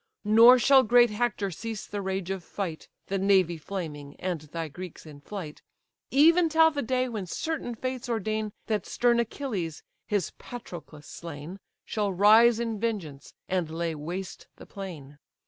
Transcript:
Nor shall great Hector cease the rage of fight, The navy flaming, and thy Greeks in flight, Even till the day when certain fates ordain That stern Achilles (his Patroclus slain) Shall rise in vengeance, and lay waste the plain.